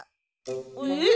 えっ！？